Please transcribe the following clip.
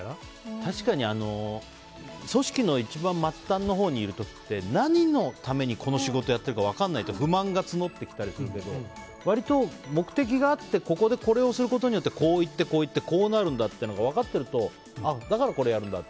確かに、組織の一番末端のほうにいる時って何のために、この仕事をやってるのか分からないと不満が募ってきたりするけど割と目的があってここでこれをすることによってこういって、こうなるんだというのが分かっているとだからこれをやるんだって。